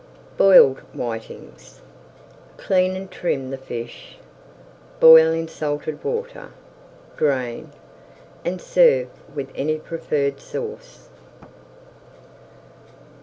BOILED WHITINGS Clean and trim the fish, boil in salted water, drain, and serve with any preferred sauce.